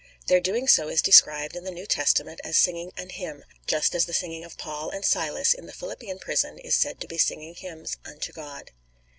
Their doing so is described in the New Testament as singing "an hymn," just as the singing of Paul and Silas in the Philippian prison is said to be singing hymns unto God.